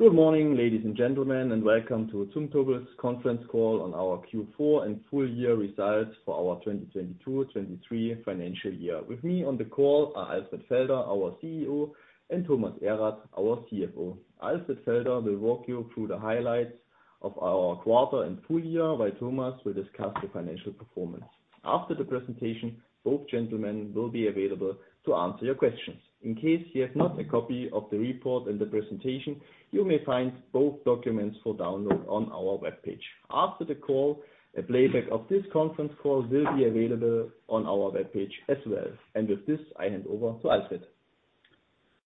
Good morning, ladies and gentlemen, and welcome to Zumtobel's conference call on our Q4 and full year results for our 2022, 2023 financial year. With me on the call are Alfred Felder, our CEO, and Thomas Erath, our CFO. Alfred Felder will walk you through the highlights of our quarter and full year, while Thomas will discuss the financial performance. After the presentation, both gentlemen will be available to answer your questions. In case you have not a copy of the report and the presentation, you may find both documents for download on our webpage. After the call, a playback of this conference call will be available on our webpage as well. With this, I hand over to Alfred.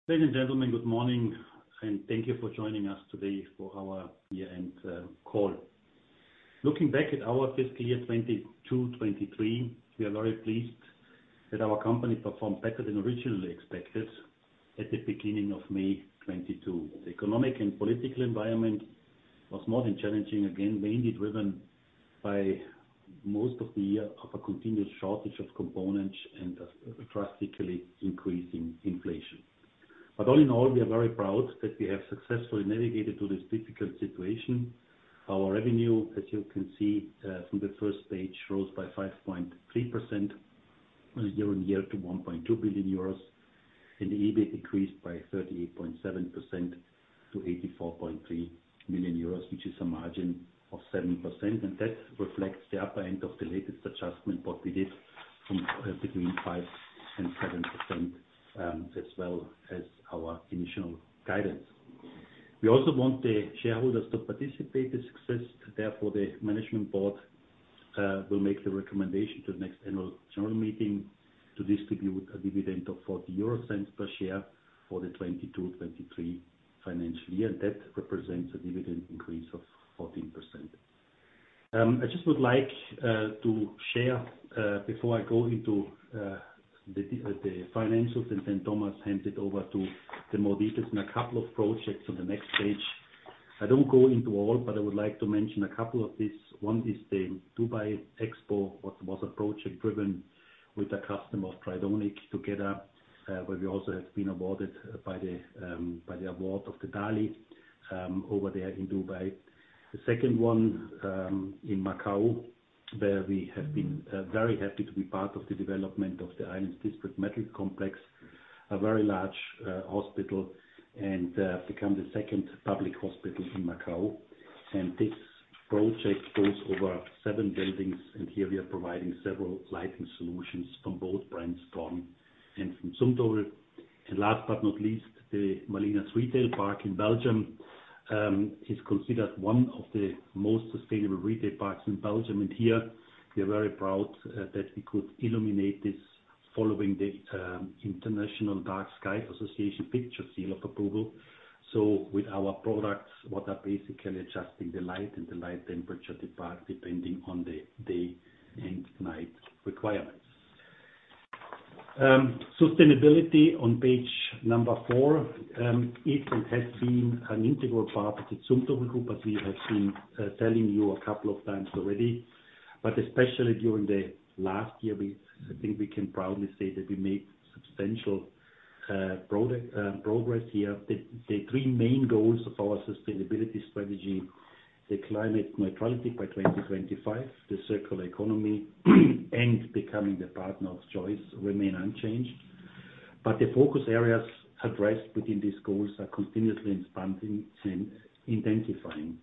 Ladies and gentlemen, good morning, thank you for joining us today for our year-end call. Looking back at our fiscal year 2022, 2023, we are very pleased that our company performed better than originally expected at the beginning of May 2022. The economic and political environment was more than challenging, again, mainly driven by most of the year of a continued shortage of components and a drastically increasing inflation. All in all, we are very proud that we have successfully navigated through this difficult situation. Our revenue, as you can see, from the first page, rose by 5.3% year-over-year to 1.2 billion euros. The EBIT increased by 38.7% to 84.3 million euros, which is a margin of 7%. That reflects the upper end of the latest adjustment, what we did from between 5% and 7%, as well as our initial guidance. We also want the shareholders to participate in success. Therefore, the management board will make the recommendation to the next annual general meeting to distribute a dividend of 0.40 per share for the 2022-2023 financial year. That represents a dividend increase of 14%. I just would like to share, before I go into the financials, and then Thomas hand it over to the more details in a couple of projects on the next page. I don't go into all, but I would like to mention a couple of these. One is the Dubai Expo, what was a project driven with a customer of Tridonic together, where we also have been awarded by the by the award of the DALI over there in Dubai. The second one, in Macau, where we have been very happy to be part of the development of the island's district medical complex, a very large hospital, and become the second public hospital in Macau. This project goes over seven buildings, and here we are providing several lighting solutions from both brands, Thorn and from Zumtobel. Last but not least, the Malinas Retail Park in Belgium is considered one of the most sustainable retail parks in Belgium. Here, we are very proud that we could illuminate this following the International Dark-Sky Association Fixture Seal of Approval. With our products, what are basically adjusting the light and the light temperature, the park, depending on the day and night requirements. Sustainability on page number four is and has been an integral part of the Zumtobel Group, as we have been telling you a couple of times already. Especially during the last year, I think we can proudly say that we made substantial product progress here. The three main goals of our sustainability strategy, the climate neutrality by 2025, the circular economy, and becoming the partner of choice, remain unchanged. The focus areas addressed within these goals are continuously expanding and intensifying.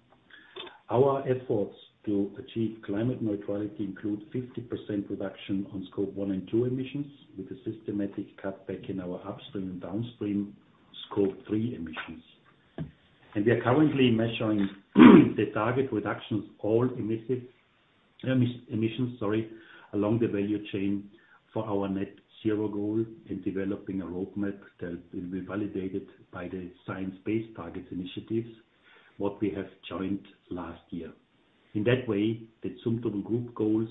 Our efforts to achieve climate neutrality include 50% reduction on Scope 1 and 2 emissions, with a systematic cutback in our upstream and downstream Scope 3 emissions. We are currently measuring the target reductions, all emissions, sorry, along the value chain for our net-zero goal, and developing a roadmap that will be validated by the Science Based Targets initiative, what we have joined last year. In that way, the Zumtobel Group goals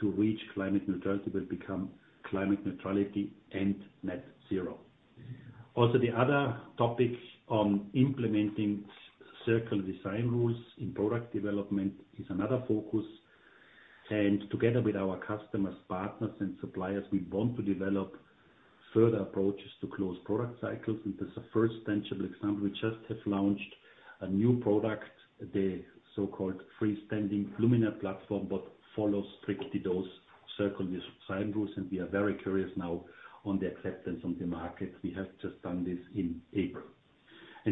to reach climate neutrality will become climate neutrality and net-zero. The other topic on implementing circular design rules in product development is another focus, and together with our customers, partners, and suppliers, we want to develop further approaches to close product cycles. As a first tangible example, we just have launched a new product, the so-called freestanding luminaire platform, but follows strictly those circular design rules, and we are very curious now on the acceptance on the market. We have just done this in April.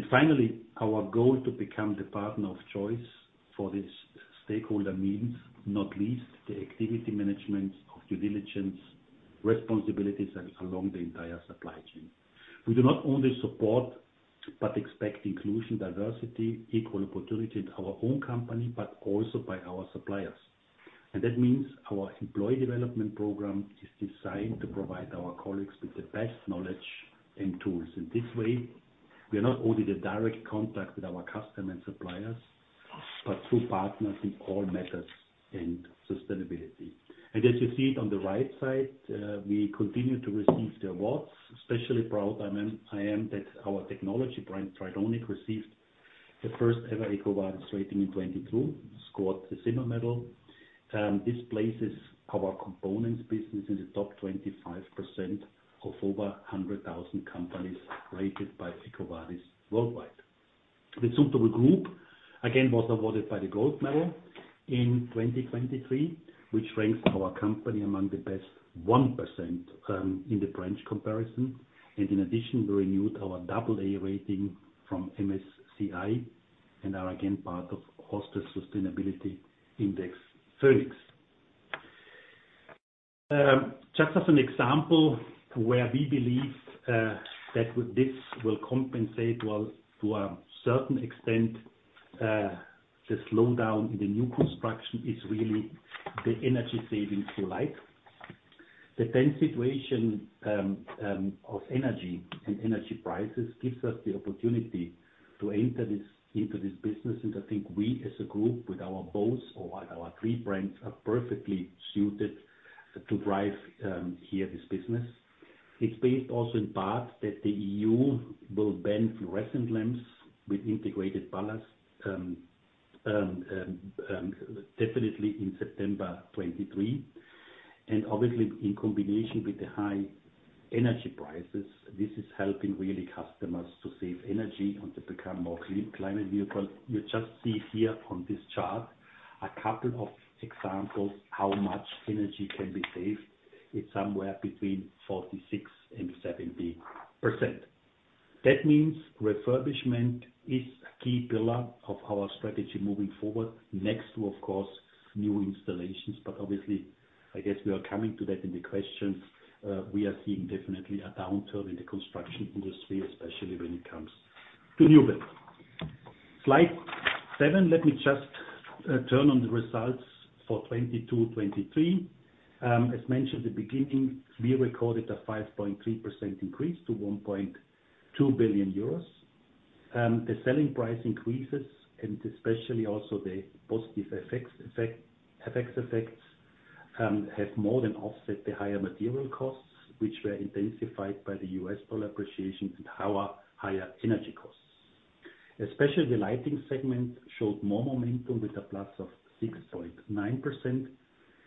Finally, our goal to become the partner of choice for this stakeholder means, not least, the activity management of due diligence, responsibilities, and along the entire supply chain. We do not only support, but expect inclusion, diversity, equal opportunity in our own company, but also by our suppliers. That means our employee development program is designed to provide our colleagues with the best knowledge and tools. In this way, we are not only the direct contact with our customer and suppliers, but through partners in all methods and sustainability. As you see it on the right side, we continue to receive the awards. Especially proud I am that our technology brand, Tridonic, received the first ever EcoVadis rating in 2022, scored the silver medal. This places our components business in the top 25% of over 100,000 companies rated by EcoVadis worldwide. The Zumtobel Group, again, was awarded by the gold medal in 2023, which ranks our company among the best 1% in the branch comparison. In addition, we renewed our AA rating from MSCI, and are again part of Austrian Sustainability Index VÖNIX. Just as an example, where we believe that with this will compensate well, to a certain extent, the slowdown in the new construction is really the energy savings we like. The current situation of energy and energy prices gives us the opportunity to enter this, into this business, and I think we, as a group, with our boats or our three brands, are perfectly suited to drive here, this business. It's based also in part, that the EU will ban fluorescent lamps with integrated ballast definitely in September 2023. Obviously, in combination with the high energy prices, this is helping, really, customers to save energy and to become more clean, climate neutral. You just see here on this chart, a couple of examples, how much energy can be saved. It's somewhere between 46% and 70%. That means refurbishment is a key pillar of our strategy moving forward, next to, of course, new installations. Obviously, I guess we are coming to that in the questions. We are seeing definitely a downturn in the construction industry, especially when it comes to new build. Slide seven. Let me just turn on the results for 2022, 2023. As mentioned the beginning, we recorded a 5.3% increase to 1.2 billion euros. The selling price increases, and especially also the positive effects, have more than offset the higher material costs, which were intensified by the U.S. dollar appreciation and our higher energy costs. Especially the lighting segment, showed more momentum with a plus of 6.9%,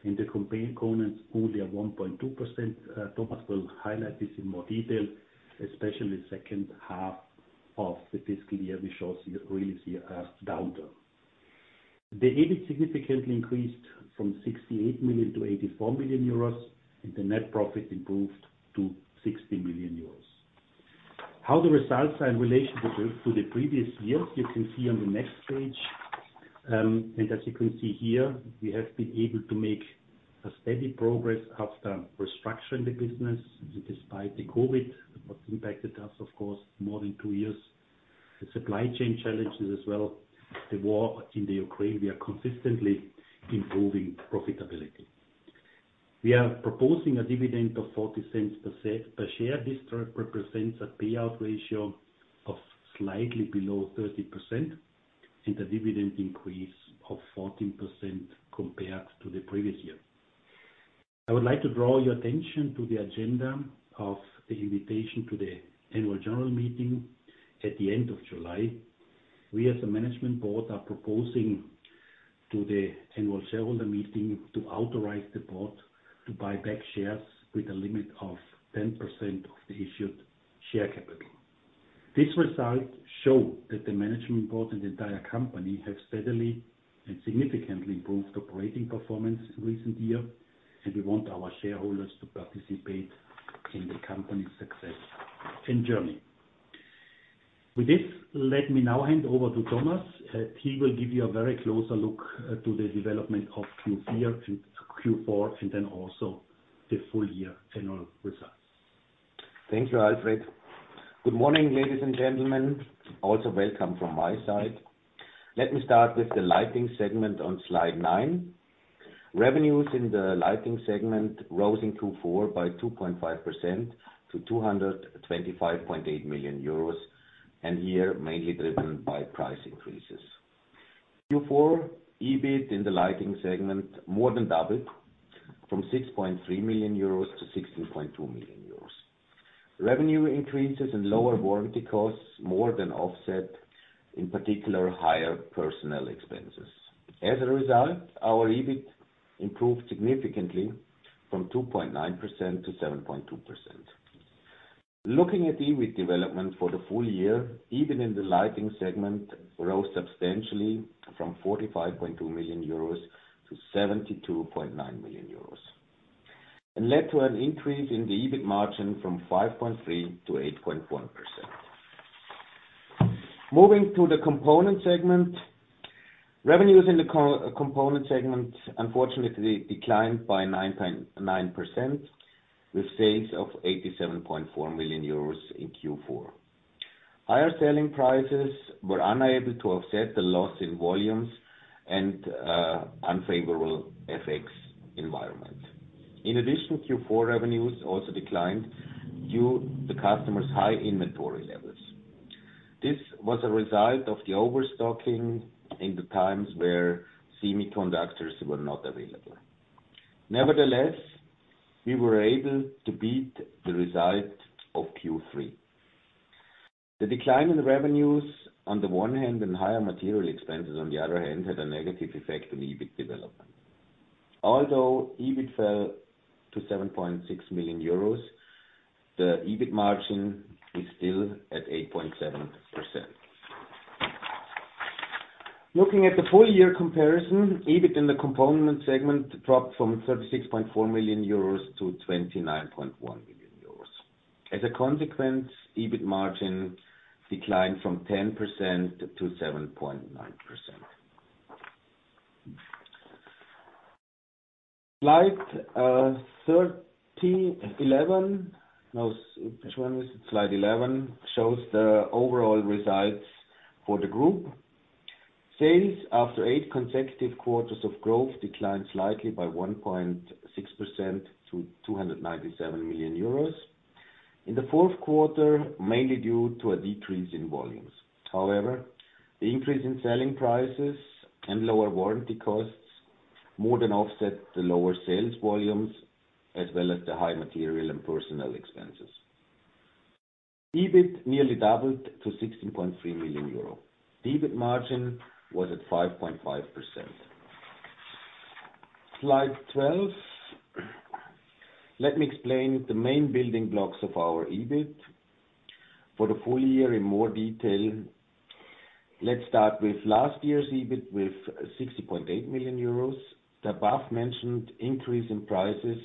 and the campaign components only at 1.2%. Thomas will highlight this in more detail, especially second half of the fiscal year, we really see a downturn. The EBIT significantly increased from 68 million to 84 million euros, and the net profit improved to 60 million euros. How the results are in relation to the previous years, you can see on the next page. As you can see here, we have been able to make a steady progress after restructuring the business, despite the COVID, what impacted us, of course, more than two years. The supply chain challenges as well, the war in the Ukraine, we are consistently improving profitability. We are proposing a dividend of 0.40 per share. This represents a payout ratio of slightly below 30%, and a dividend increase of 14% compared to the previous year. I would like to draw your attention to the agenda of the invitation to the annual general meeting at the end of July. We, as a management board, are proposing to the annual shareholder meeting to authorize the board to buy back shares with a limit of 10% of the issued share capital. This result show that the management board and the entire company have steadily and significantly improved operating performance in recent years, and we want our shareholders to participate in the company's success and journey. With this, let me now hand over to Thomas, he will give you a very closer look to the development of Q3 and Q4, and then also the full year general results. Thank you, Alfred. Good morning, ladies and gentlemen. Welcome from my side. Let me start with the lighting segment on slide nine. Revenues in the lighting segment rose in Q4 by 2.5% to 225.8 million euros, and here, mainly driven by price increases. Q4, EBIT in the lighting segment, more than doubled from 6.3 million euros to 16.2 million euros. Revenue increases and lower warranty costs, more than offset, in particular, higher personnel expenses. As a result, our EBIT improved significantly from 2.9% to 7.2%. Looking at EBIT development for the full year, even in the lighting segment, rose substantially from 45.2 million euros to 72.9 million euros, and led to an increase in the EBIT margin from 5.3%-8.1%. Moving to the Components Segment. Revenues in the Components Segment, unfortunately, declined by 9.9%, with sales of 87.4 million euros in Q4. Higher selling prices were unable to offset the loss in volumes and unfavorable FX environment. In addition, Q4 revenues also declined due the customer's high inventory levels. This was a result of the overstocking in the times where semiconductors were not available. Nevertheless, we were able to beat the result of Q3. The decline in revenues, on the one hand, and higher material expenses on the other hand, had a negative effect on EBIT development. Although EBIT fell to 7.6 million euros, the EBIT margin is still at 8.7%. Looking at the full year comparison, EBIT in the Components Segment dropped from 36.4 million euros to 29.1 million euros. EBIT margin declined from 10% to 7.9%. Slide 13, 11. No, which one is it? Slide 11 shows the overall results for the group. Sales, after eight consecutive quarters of growth, declined slightly by 1.6% to 297 million euros. In the fourth quarter, mainly due to a decrease in volumes. The increase in selling prices and lower warranty costs more than offset the lower sales volumes, as well as the high material and personnel expenses. EBIT nearly doubled to 16.3 million euro. EBIT margin was at 5.5%. Slide 12. Let me explain the main building blocks of our EBIT for the full year in more detail. Let's start with last year's EBIT, with 60.8 million euros. The above mentioned increase in prices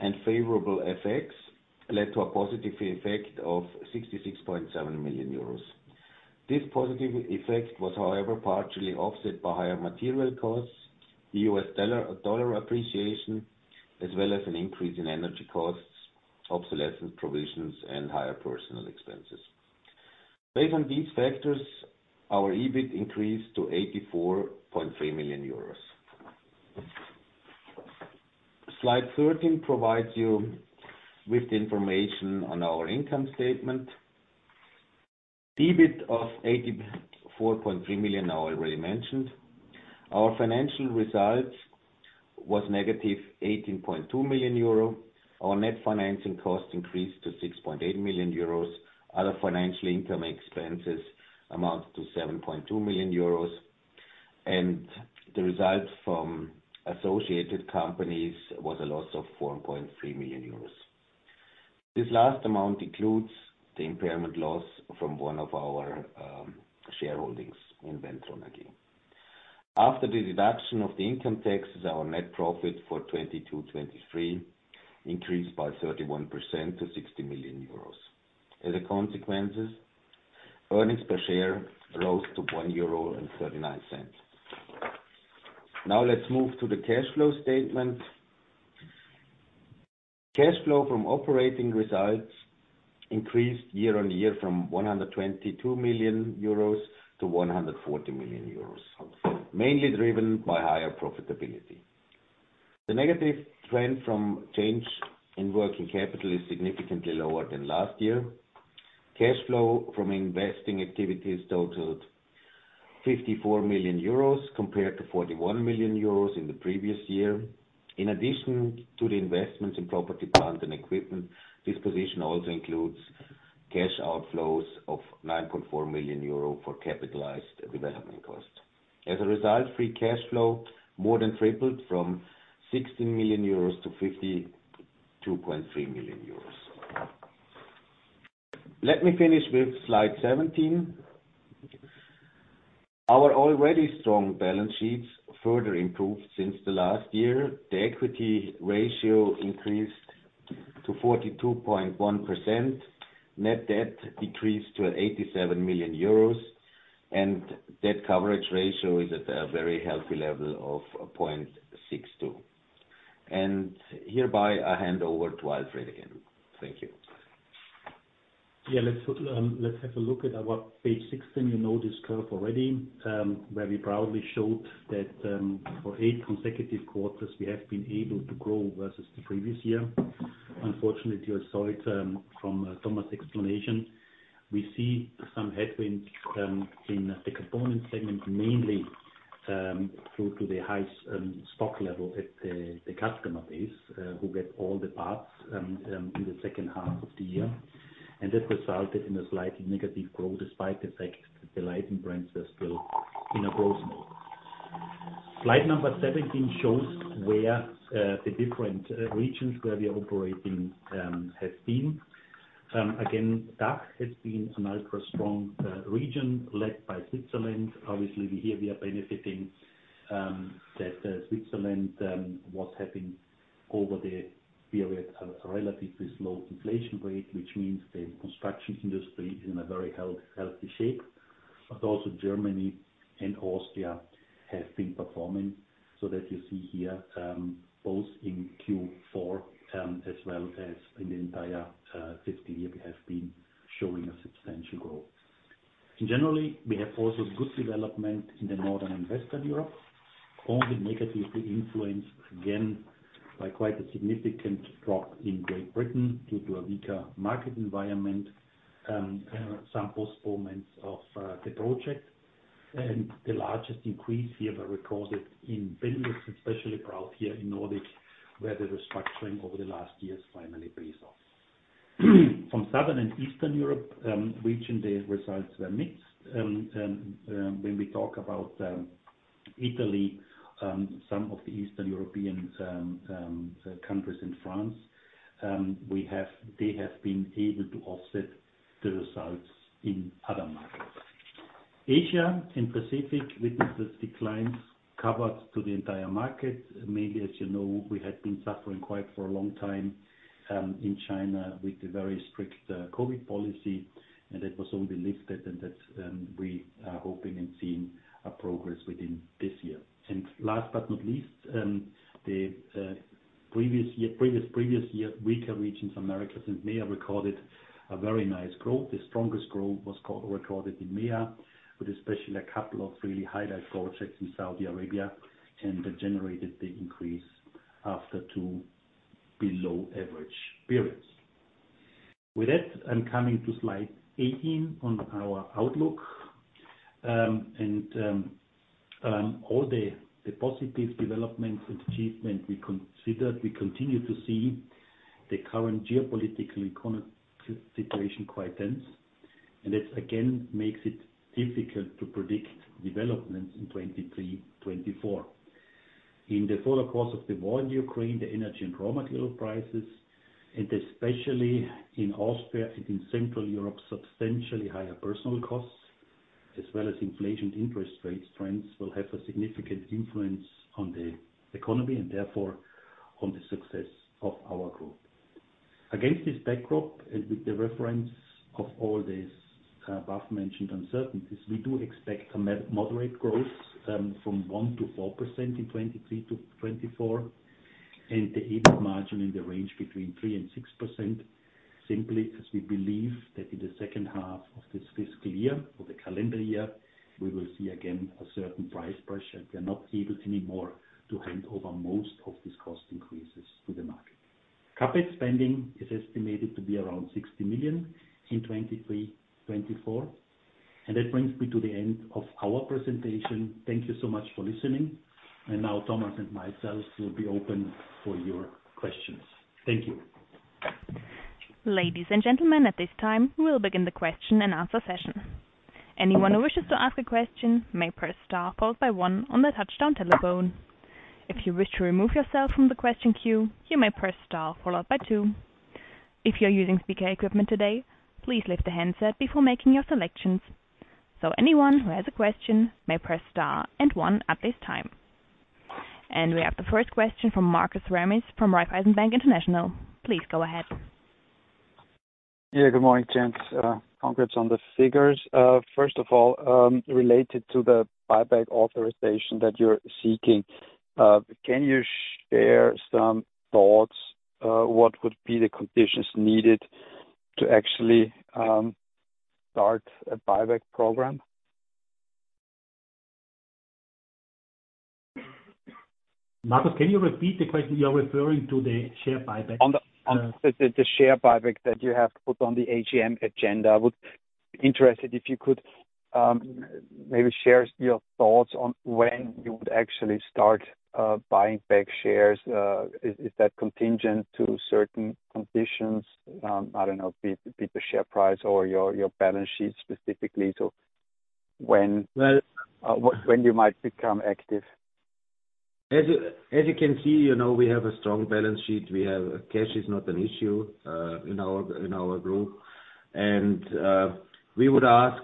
and favorable effects led to a positive effect of 66.7 million euros. This positive effect was, however, partially offset by higher material costs, the U.S. dollar appreciation, as well as an increase in energy costs, obsolescence provisions, and higher personnel expenses. Based on these factors, our EBIT increased to 84.3 million euros. Slide 13 provides you with the information on our income statement. EBIT of 84.3 million, I already mentioned. Our financial result was negative 18.2 million euro. Our net financing cost increased to 6.8 million euros. Other financial income expenses amounted to 7.2 million euros, and the results from associated companies was a loss of 4.3 million euros. This last amount includes the impairment loss from one of our shareholdings in Inventron again. After the deduction of the income taxes, our net profit for 2022, 2023 increased by 31% to 60 million euros. As a consequence, earnings per share rose to 1.39 euro. Now, let's move to the cash flow statement. Cash flow from operating results increased year-over-year from 122 million euros to 140 million euros, mainly driven by higher profitability. The negative trend from change in working capital is significantly lower than last year. Cash flow from investing activities totaled 54 million euros compared to 41 million euros in the previous year. In addition to the investments in property, plant, and equipment, this position also includes cash outflows of 9.4 million euro for capitalized development costs. As a result, free cash flow more than tripled, from 16 million euros to 52.3 million euros. Let me finish with slide 17. Our already strong balance sheets further improved since the last year. The equity ratio increased to 42.1%. Net debt decreased to 87 million euros. Debt coverage ratio is at a very healthy level of 0.62. Hereby I hand over to Alfred again. Thank you. Let's look, let's have a look at our page 16. You know this curve already, where we proudly showed that, for eight consecutive quarters, we have been able to grow versus the previous year. Unfortunately, you saw it from Thomas' explanation. We see some headwinds in the Components Segment, mainly due to the high stock level at the customer base, who get all the parts in the second half of the year. This resulted in a slightly negative growth, despite the fact that the lighting brands are still in a growth mode. Slide number 17 shows where the different regions where we are operating have been. Again, DACH has been an ultra strong region led by Switzerland. Obviously, here we are benefiting, that Switzerland was having over the period, a relatively slow inflation rate, which means the construction industry is in a very healthy shape. Germany and Austria have been performing, so that you see here, both in Q4, as well as in the entire 50 year, we have been showing a substantial growth. Generally, we have also good development in Northern and Western Europe, only negatively influenced again by quite a significant drop in Great Britain due to a weaker market environment, and some postponements of the project. The largest increase here were recorded in business, especially proud here in Nordic, where the restructuring over the last years finally pays off. From Southern and Eastern Europe, region, the results were mixed. When we talk about Italy, some of the Eastern Europeans countries in France, they have been able to offset the results in other markets. Asia and Pacific witnesses declines covered to the entire market. Mainly, as you know, we had been suffering quite for a long time in China with the very strict COVID policy, and that was only lifted, and that we are hoping and seeing a progress within this year. Last but not least, the previous year, previous year, weaker regions, Americas and MEA recorded a very nice growth. The strongest growth was recorded in MEA, with especially a couple of really highlight projects in Saudi Arabia, and that generated the increase after two below average periods. With that, I'm coming to slide 18 on our outlook. All positive developments and achievement we considered, we continue to see the current geopolitical economic situation quite tense, and it, again, makes it difficult to predict developments in 2023, 2024. In the full course of the war in Ukraine, the energy and raw material prices, and especially in Austria and in Central Europe, substantially higher personal costs, as well as inflation interest rates trends, will have a significant influence on the economy, and therefore on the success of our group. Against this backdrop, and with the reference of all these, above mentioned uncertainties, we do expect moderate growth, from 1%-4% in 2023-2024, and the EBIT margin in the range between 3% and 6%, simply because we believe that in the second half of this fiscal year, or the calendar year, we will see again a certain price pressure. We are not able anymore to hand over most of these cost increases to the market. CapEx spending is estimated to be around 60 million in 2023, 2024, and that brings me to the end of our presentation. Thank you so much for listening. Now Thomas and myself will be open for your questions. Thank you. Ladies and gentlemen, at this time, we will begin the question and answer session. Anyone who wishes to ask a question may press star followed by one on the touchdown telephone. If you wish to remove yourself from the question queue, you may press star followed by two. If you are using speaker equipment today, please lift the handset before making your selections. Anyone who has a question may press star and one at this time. We have the first question from Markus Remis from Raiffeisen Bank International. Please go ahead. Yeah, good morning, gents. Congrats on the figures. First of all, related to the buyback authorization that you're seeking, can you share some thoughts, what would be the conditions needed to actually start a buyback program? Markus, can you repeat the question? You're referring to the share buyback. On the share buyback that you have put on the AGM agenda. I would be interested if you could maybe share your thoughts on when you would actually start buying back shares. Is that contingent to certain conditions? I don't know, be the share price or your balance sheet specifically. Well- When you might become active. As you can see, you know, we have a strong balance sheet. Cash is not an issue in our group. We would ask,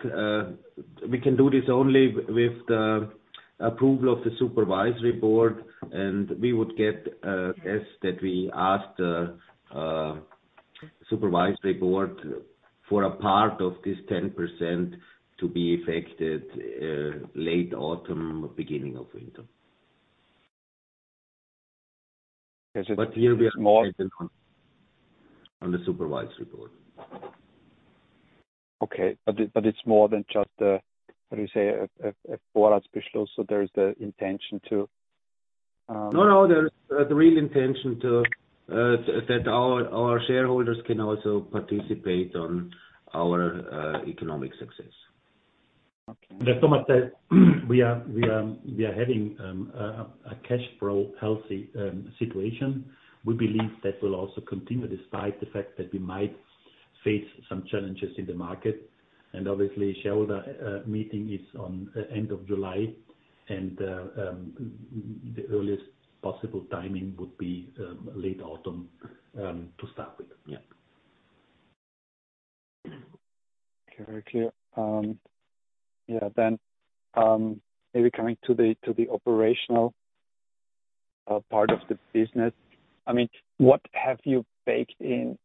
we can do this only with the approval of the supervisory board, and we would get, guess, that we ask the supervisory board for a part of this 10% to be affected, late autumn, beginning of winter. As it is On the supervisory board. Okay, but it's more than just a, what do you say, a forward special. There is the intention to. No, no, there is a real intention to, that our shareholders can also participate on our, economic success. Okay. As Thomas said, we are having a cash flow healthy situation. We believe that will also continue, despite the fact that we might face some challenges in the market. Obviously, shareholder meeting is on end of July, and the earliest possible timing would be late autumn to start with. Yeah. Okay. Very clear. Maybe coming to the operational part of the business. I mean, what have you baked in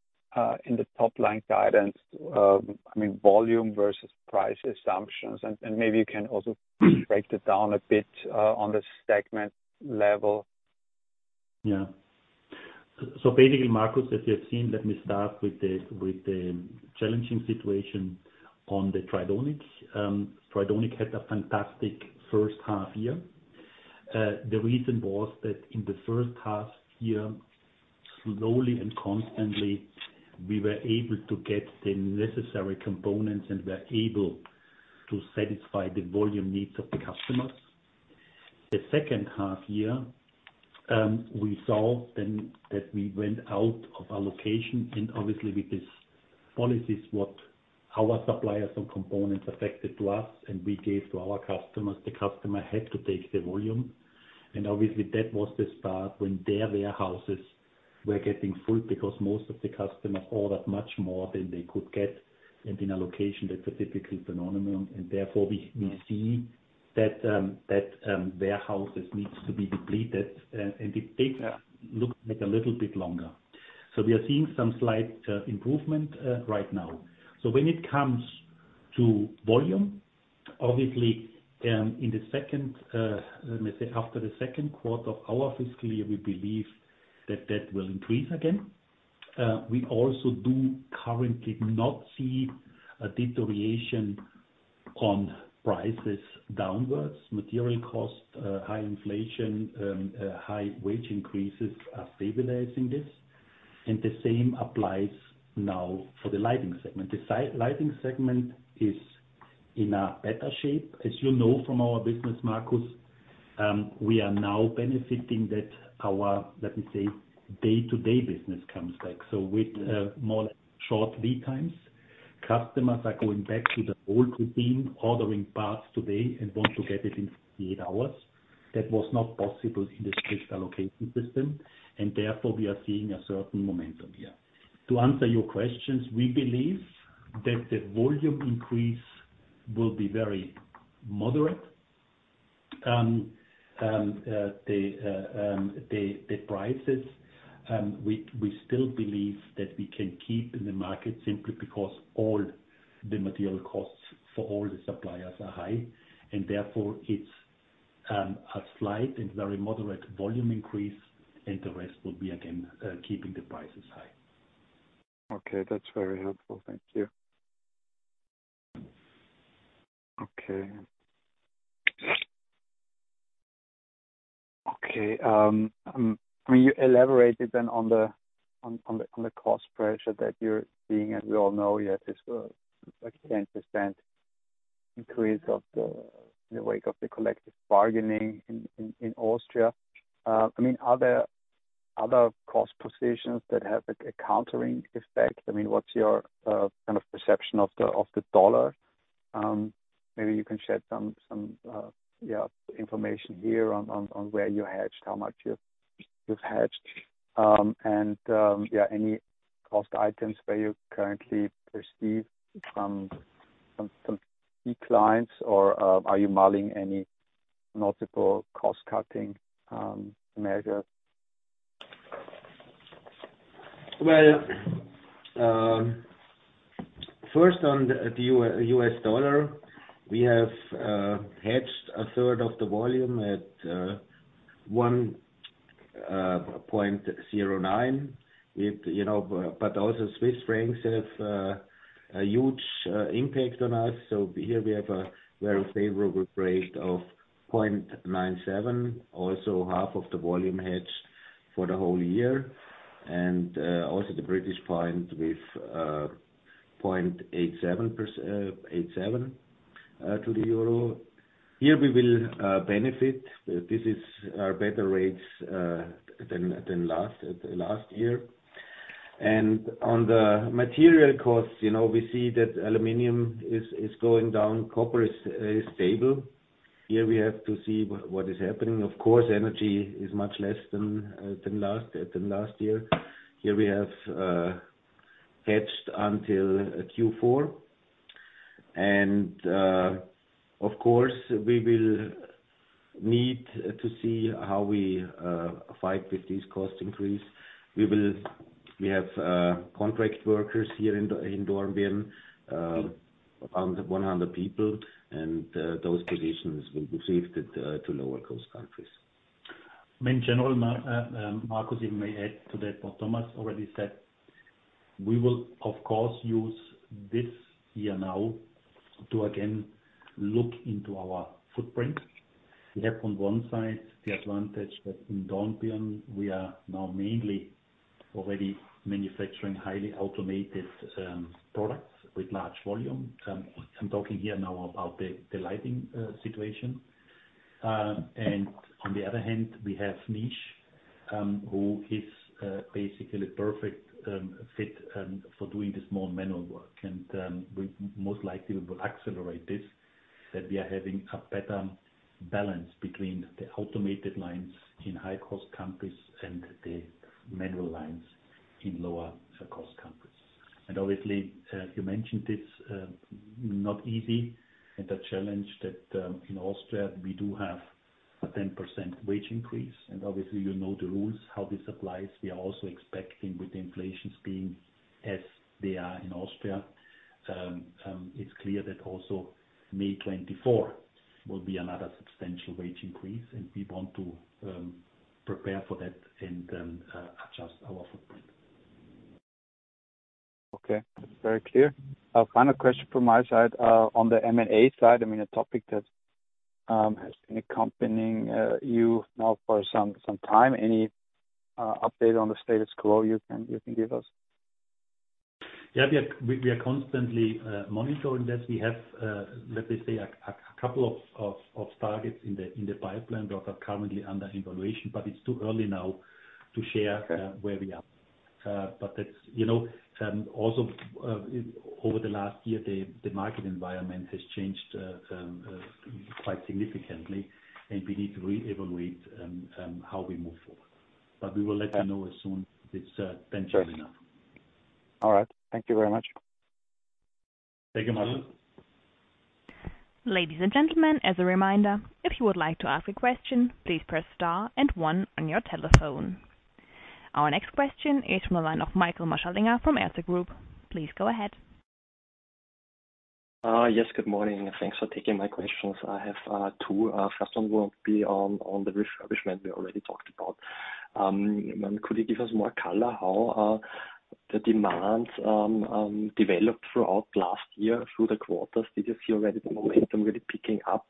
in the top line guidance? I mean, volume versus price assumptions, and maybe you can also break it down a bit on the segment level. Yeah. Basically, Markus, as you have seen, let me start with the challenging situation on the Tridonic. Tridonic had a fantastic first half year. The reason was that in the first half year, slowly and constantly, we were able to get the necessary components, and we're able to satisfy the volume needs of the customers. The second half year, we saw then that we went out of allocation, and obviously with this policies, what our suppliers and components affected to us, and we gave to our customers, the customer had to take the volume. Obviously, that was the start when their warehouses were getting full, because most of the customers ordered much more than they could get, and in a location, that's a typical phenomenon. Therefore, we see that warehouses needs to be depleted, and it takes, looks like a little bit longer. We are seeing some slight improvement right now. When it comes to volume, obviously, in the second, let me say, after the second quarter of our fiscal year, we believe that that will increase again. We also do currently not see a deterioration on prices downwards. Material costs, high inflation, high wage increases are stabilizing this, and the same applies now for the lighting segment. The lighting segment is in a better shape. As you know from our business, Markus, we are now benefiting that our, let me say, day-to-day business comes back. With more short lead times, customers are going back to the old routine, ordering parts today and want to get it in 48 hours. That was not possible in the strict allocation system, and therefore, we are seeing a certain momentum here. To answer your questions, we believe that the volume increase will be very moderate. The prices, we still believe that we can keep in the market simply because all the material costs for all the suppliers are high, and therefore it's a slight and very moderate volume increase, and the rest will be, again, keeping the prices high. Okay, that's very helpful. Thank you. Okay. Okay, will you elaborate then on the cost pressure that you're seeing, as we all know, yet this, like, 10% increase of the, in the wake of the collective bargaining in Austria? I mean, are there other cost positions that have, like, a countering effect? I mean, what's your kind of perception of the U.S. dollar? Maybe you can share some, yeah, information here on where you hedged, how much you've hedged. Yeah, any cost items where you currently perceive some declines, or are you modeling any multiple cost-cutting measures? First, on the U.S. dollar, we have hedged a third of the volume at 1.09. You know, also Swiss francs have a huge impact on us, here we have a very favorable rate of 0.97, also half of the volume hedged for the whole year. Also the British pound with 0.87 to the euro. Here, we will benefit. This is better rates than last year. On the material costs, you know, we see that aluminum is going down. Copper is stable. Here, we have to see what is happening. Of course, energy is much less than last year. Here we have hedged until Q4. Of course, we will need to see how we fight with this cost increase. We have contract workers here in Dornbirn, around 100 people, and those positions will be shifted to lower-cost countries. In general, Markus, you may add to that, what Thomas already said, we will of course, use this year now to again, look into our footprint. We have, on one side, the advantage that in Dornbirn, we are now mainly already manufacturing highly automated products with large volume. I'm talking here now about the lighting situation. On the other hand, we have niche, who is basically perfect fit for doing the small manual work. We most likely will accelerate this, that we are having a better balance between the automated lines in high-cost countries and the manual lines in lower-cost countries. Obviously, you mentioned it's not easy, and the challenge that in Austria, we do have a 10% wage increase, and obviously, you know the rules, how this applies. We are also expecting with the inflation being as they are in Austria, it's clear that also May 2024 will be another substantial wage increase, and we want to prepare for that and adjust our footprint. Okay, that's very clear. Final question from my side, on the M&A side, I mean, a topic that has been accompanying, you now for some time. Any update on the status quo you can give us? We are constantly monitoring that. We have, let me say, a couple of targets in the pipeline that are currently under evaluation, but it's too early now to share where we are. But that's, you know, also, over the last year, the market environment has changed quite significantly, and we need to reevaluate how we move forward. We will let you know as soon it's bench enough. All right. Thank you very much. Thank you, Markus. Ladies and gentlemen, as a reminder, if you would like to ask a question, please press star and one on your telephone. Our next question is from the line of Michael Marschallinger from Erste Group. Please go ahead. Yes, good morning, and thanks for taking my questions. I have two. First one will be on the refurbishment we already talked about. Could you give us more color how the demands developed throughout last year through the quarters? Did you see already the momentum really picking up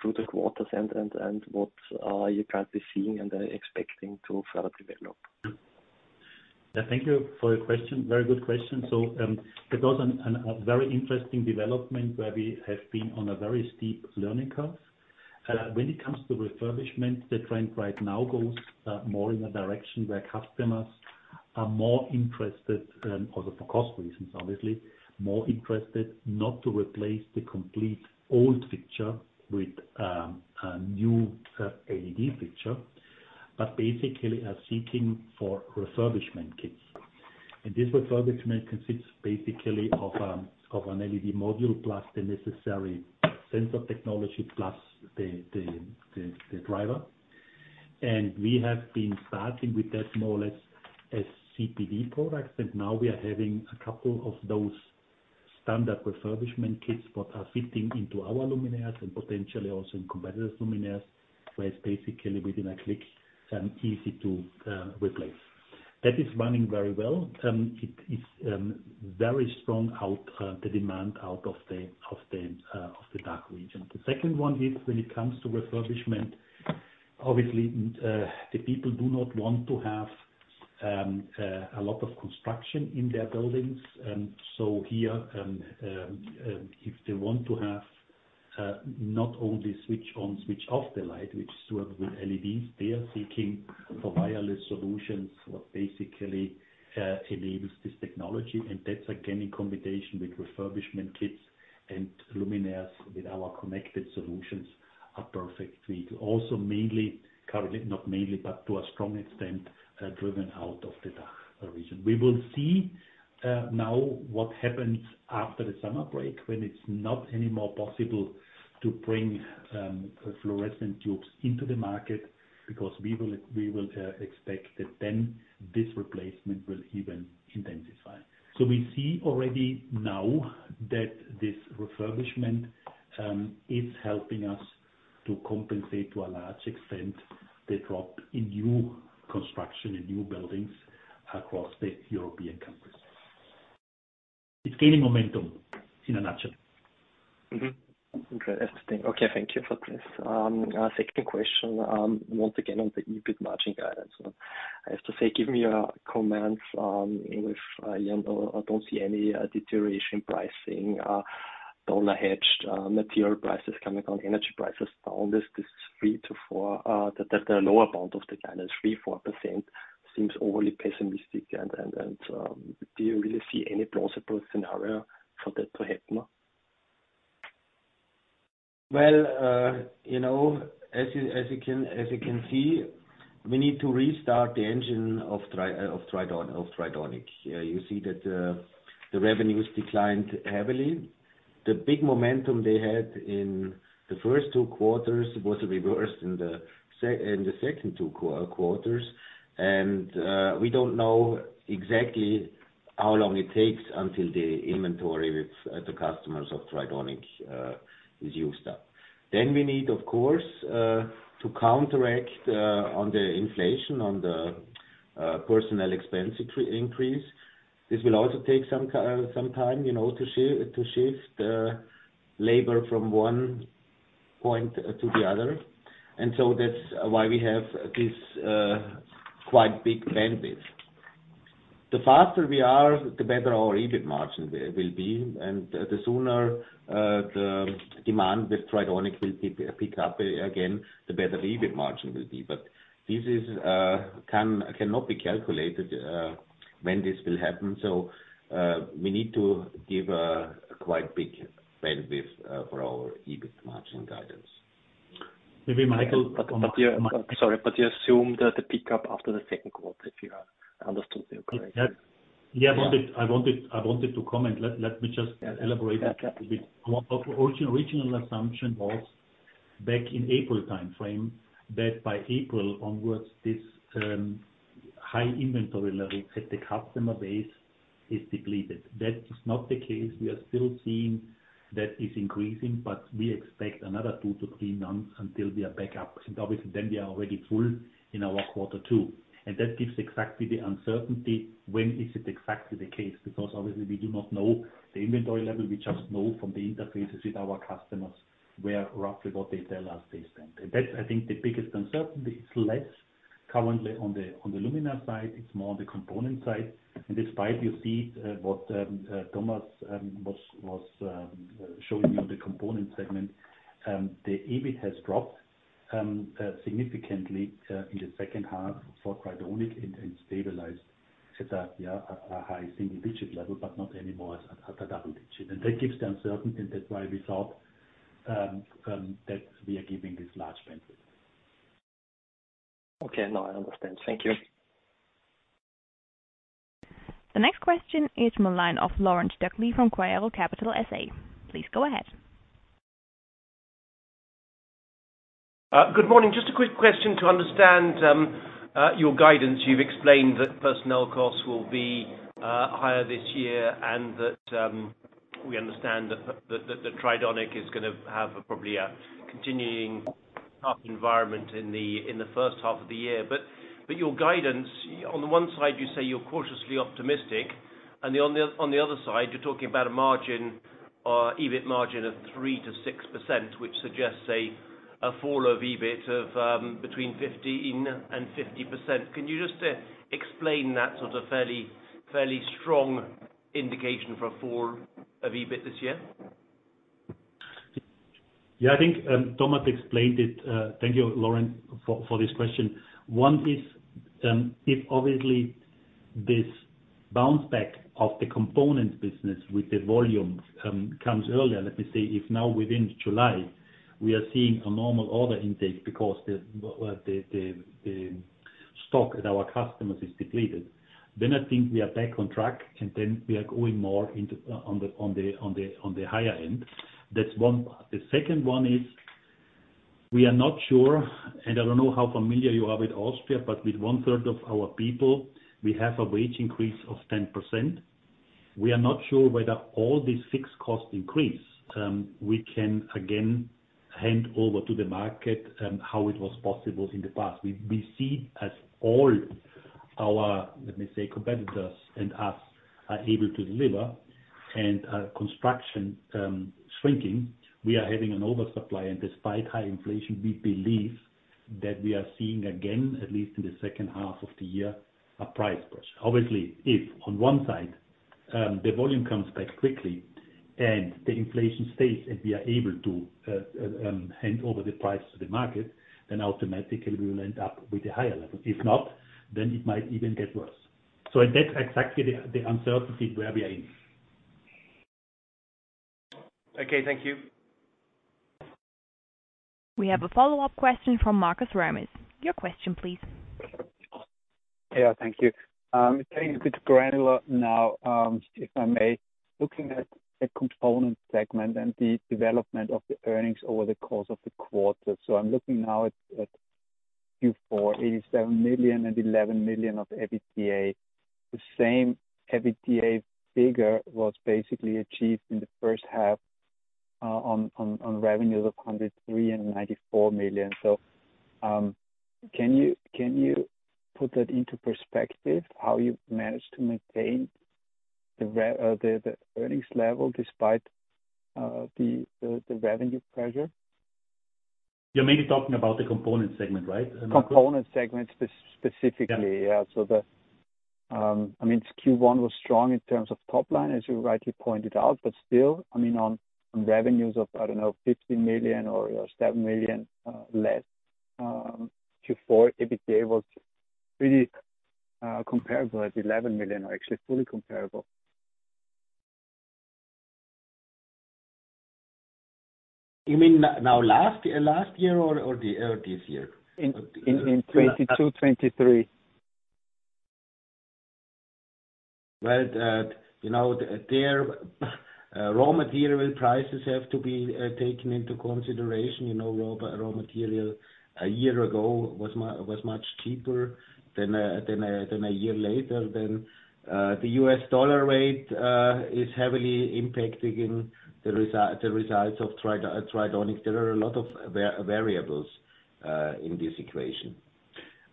through the quarters and what you're currently seeing and expecting to further develop? Thank you for your question. Very good question. It was a very interesting development where we have been on a very steep learning curve. When it comes to refurbishment, the trend right now goes more in a direction where customers are more interested, also for cost reasons, obviously, more interested not to replace the complete old fixture with a new LED fixture, but basically are seeking for refurbishment kits. This refurbishment consists basically of an LED module, plus the necessary sensor technology, plus the driver. We have been starting with that more or less as CPD products, and now we are having a couple of those standard refurbishment kits that are fitting into our luminaires and potentially also in competitors' luminaires, where it's basically within a click, easy to replace. That is running very well. It is very strong out the demand out of the dark region. The second one is when it comes to refurbishment, obviously, the people do not want to have a lot of construction in their buildings. Here if they want to have not only switch on, switch off the light, which is done with LEDs, they are seeking for wireless solutions what basically enables this technology. That's again, in combination with refurbishment kits and luminaires with our connected solutions, are perfect fit. Also, mainly currently, not mainly, but to a strong extent, driven out of the dark region. We will see now what happens after the summer break, when it's not anymore possible to bring fluorescent tubes into the market, because we will expect that then this replacement will even intensify. We see already now that this refurbishment is helping us to compensate, to a large extent, the drop in new construction and new buildings across the European countries. It's gaining momentum, in a nutshell. Interesting. Okay, thank you for this. Second question, once again, on the EBIT margin guidance. I have to say, give me your comments. I don't see any deterioration pricing, dollar hedged, material prices coming down, energy prices down. This 3%-4%, the lower bound of the guidance, 3%-4% seems overly pessimistic. Do you really see any plausible scenario for that to happen? Well, you know, as you can see, we need to restart the engine of Tridonic. You see that the revenues declined heavily. The big momentum they had in the first two quarters was reversed in the second two quarters. We don't know exactly how long it takes until the inventory with the customers of Tridonic is used up. We need, of course, to counteract on the inflation, on the personnel expense increase. This will also take some time, you know, to shift labor from one point to the other. That's why we have this quite big bandwidth. The faster we are, the better our EBIT margin will be, and the sooner the demand with Tridonic will pick up again, the better the EBIT margin will be. This is cannot be calculated when this will happen. We need to give a quite big bandwidth for our EBIT margin guidance. Maybe, Michael... Sorry, you assume that the pick up after the second quarter, if I understood you correctly? Yeah. I wanted to comment. Let me just elaborate a little bit. Our original assumption was back in April timeframe, that by April onwards, this high inventory level at the customer base is depleted. That is not the case. We are still seeing that is increasing, but we expect another two to three months until we are back up. Obviously then we are already full in our quarter two, and that gives exactly the uncertainty, when is it exactly the case? Obviously we do not know the inventory level, we just know from the interfaces with our customers, where roughly what they tell us they spend. That's, I think, the biggest uncertainty is currently on the, on the luminaire side, it's more on the component side. Despite you see, what Thomas was showing you on the Components Segment, the EBIT has dropped significantly in the second half for Tridonic and stabilized at a high single-digit level, but not anymore as at a double-digit. That gives the uncertainty, and that's why we thought that we are giving this large benefit. Okay. No, I understand. Thank you. The next question is the line of Laurent Stöckli from Quaero Capital SA. Please go ahead. Good morning. Just a quick question to understand your guidance. You've explained that personnel costs will be higher this year, and that we understand that the Tridonic is gonna have probably a continuing tough environment in the first half of the year. Your guidance, on the one side, you say you're cautiously optimistic, and on the other side, you're talking about a margin, or EBIT margin of 3%-6%, which suggests a fall of EBIT of between 15% and 50%. Can you just explain that sort of fairly strong indication for a fall of EBIT this year? Yeah, I think Thomas explained it. Thank you, Lawrence, for this question. One is, if obviously this bounce back of the component business with the volumes comes earlier, let me say, if now within July, we are seeing a normal order intake because the stock with our customers is depleted, I think we are back on track, we are going more into on the higher end. That's one. The second one is, we are not sure, I don't know how familiar you are with Austria, with one-third of our people, we have a wage increase of 10%. We are not sure whether all these fixed costs increase, we can again hand over to the market, how it was possible in the past. We see as all our competitors and us are able to deliver and construction shrinking, we are having an oversupply. Despite high inflation, we believe that we are seeing, again, at least in the second half of the year, a price pressure. Obviously, if on one side, the volume comes back quickly and the inflation stays and we are able to hand over the price to the market, then automatically we will end up with a higher level. If not, then it might even get worse. That's exactly the uncertainty where we are in. Okay, thank you. We have a follow-up question from Markus Remis. Your question, please. Yeah, thank you. Getting a bit granular now, if I may. Looking at the Components Segment and the development of the earnings over the course of the quarter. I'm looking now at Q4, 87 million and 11 million of EBITDA. The same EBITDA figure was basically achieved in the first half on revenues of 103 million and 94 million. Can you put that into perspective, how you've managed to maintain the earnings level despite the revenue pressure? You're mainly talking about the Components Segment, right? Components Segment specifically. Yeah. The, I mean, Q1 was strong in terms of top line, as you rightly pointed out, but still, I mean, on revenues of, I don't know, 15 million or 7 million less, Q4, EBITDA was pretty comparable at 11 million, or actually fully comparable. You mean now, last year or the, this year? In, in, in 2022, 2023. Well, you know, there, raw material prices have to be taken into consideration. You know, raw material a year ago was much cheaper than a year later. The U.S. dollar rate is heavily impacting the results of Tridonic. There are a lot of variables in this equation.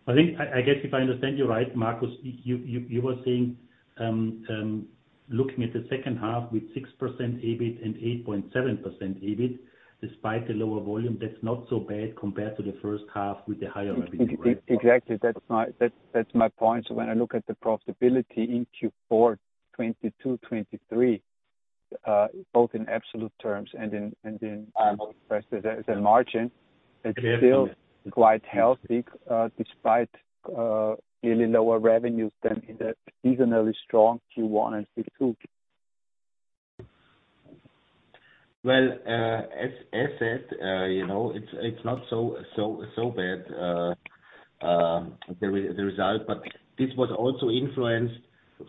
I think, I guess if I understand you right, Markus, you were saying, looking at the second half with 6% EBIT and 8.7% EBIT, despite the lower volume, that's not so bad compared to the first half with the higher EBIT, right? Exactly. That's my point. When I look at the profitability in Q4 2022, 2023, both in absolute terms and in. Um. As a margin, it's still quite healthy, despite really lower revenues than in the seasonally strong Q1 and Q2. Well, as said, you know, it's not so bad, the result, but this was also influenced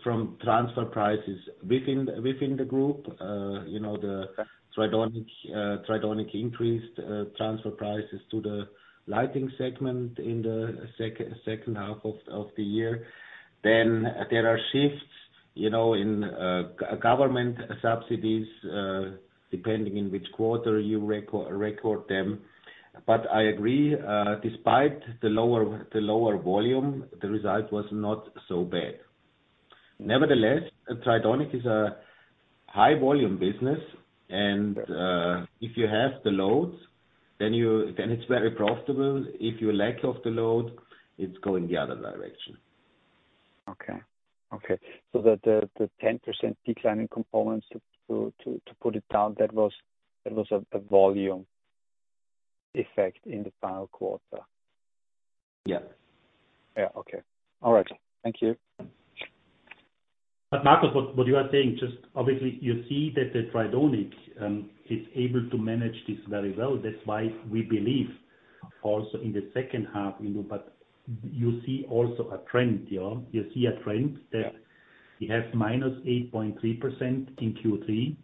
from transfer prices within the group. You know, the Tridonic increased transfer prices to the lighting segment in the second half of the year. There are shifts, you know, in government subsidies, depending on which quarter you record them. I agree, despite the lower volume, the result was not so bad. Nevertheless, Tridonic is a high volume business, and, if you have the loads, then it's very profitable. If you lack of the load, it's going the other direction. Okay. Okay, the 10% decline in components, to put it down, that was a volume effect in the final quarter? Yeah. Yeah, okay. All right. Thank you. Markus, what you are saying, just obviously, you see that the Tridonic is able to manage this very well. That's why we believe also in the second half, you know, you see also a trend here. You see a trend. Yeah. that you have minus 8.3% in Q3.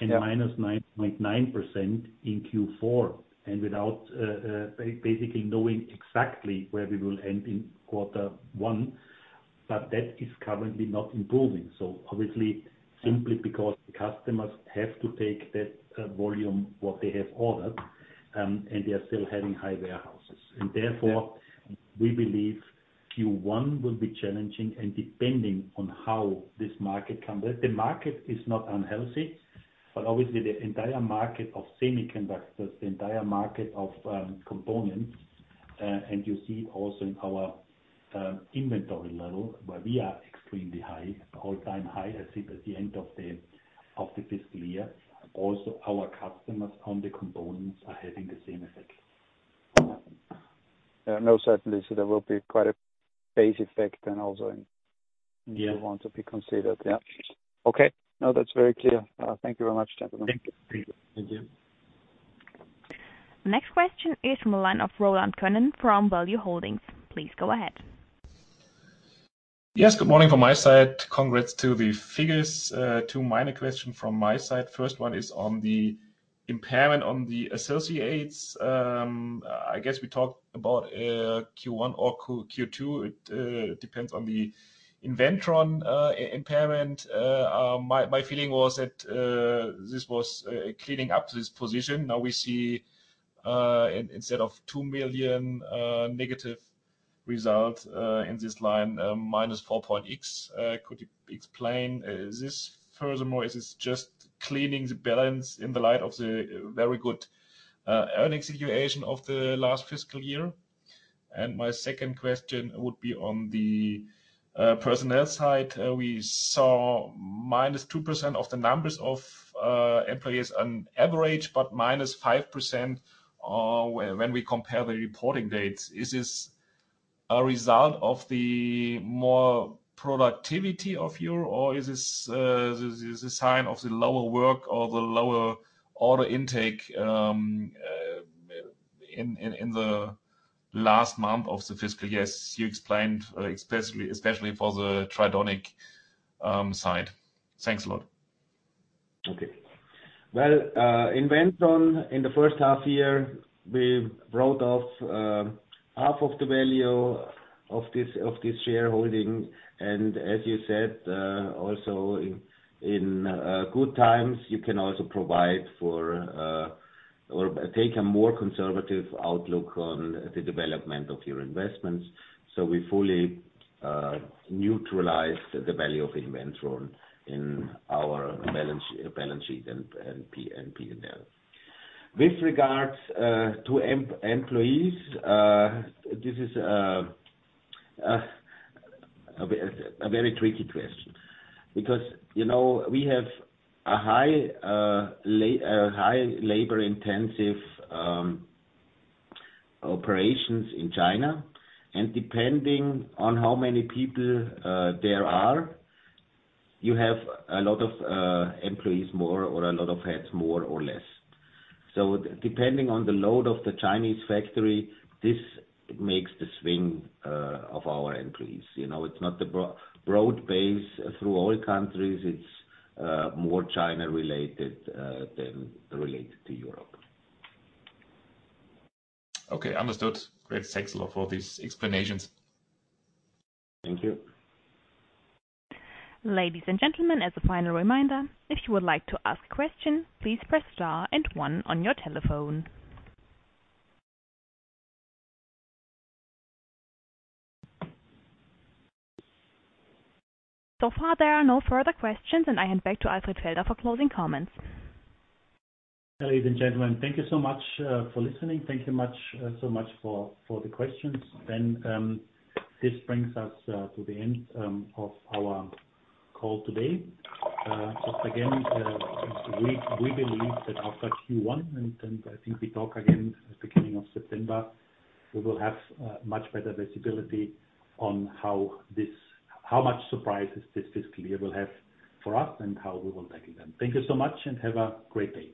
Yeah. Minus 9.9% in Q4. Without basically knowing exactly where we will end in Q1, but that is currently not improving. Obviously, simply because the customers have to take that volume, what they have ordered, and they are still having high warehouses. Yeah. Therefore, we believe Q1 will be challenging, and depending on how this market comes... The market is not unhealthy, but obviously the entire market of semiconductors, the entire market of components, and you see also in our inventory level, where we are extremely high, all-time high, I think at the end of the fiscal year. Our customers on the components are having the same effect. Yeah, no, certainly. there will be quite a base effect then also... Yeah Q1 to be considered. Yeah. Okay. No, that's very clear. Thank you very much, gentlemen. Thank you. Thank you. Next question is from the line of Roland Könen from Value-Holdings. Please go ahead. Yes, good morning from my side. Congrats to the figures. Two minor questions from my side. First one is on the impairment on the associates. I guess we talked about Q1 or Q2. It depends on the Inventron impairment. My feeling was that this was cleaning up this position. Now we see instead of 2 million negative result in this line, minus EUR 4.X. Could you explain this? Furthermore, is this just cleaning the balance in the light of the very good earning situation of the last fiscal year? My second question would be on the personnel side. We saw minus 2% of the numbers of employees on average, but minus 5% when we compare the reporting dates. Is this a result of the more productivity of you, or is this a sign of the lower work or the lower order intake, in the last month of the fiscal year? You explained, especially for the Tridonic side. Thanks a lot. Okay. Well, Inventron, in the first half year, we wrote off half of the value of this shareholding. As you said, also in good times, you can also provide for or take a more conservative outlook on the development of your investments. We fully neutralized the value of Inventron in our balance sheet and P&L. With regards to employees, this is a very tricky question. Because, you know, we have a high labor intensive operations in China, and depending on how many people there are, you have a lot of employees more or a lot of heads, more or less. Depending on the load of the Chinese factory, this makes the swing of our employees. You know, it's not the broad base through all countries, it's more China-related than related to Europe. Okay, understood. Great. Thanks a lot for these explanations. Thank you. Ladies and gentlemen, as a final reminder, if you would like to ask a question, please press star and one on your telephone. So far, there are no further questions, and I hand back to Alfred Felder for closing comments. Ladies and gentlemen, thank you so much for listening. Thank you so much for the questions. This brings us to the end of our call today. Again, we believe that after Q1, and I think we talk again at the beginning of September, we will have much better visibility on how much surprises this fiscal year will have for us and how we will tackle them. Thank you so much and have a great day.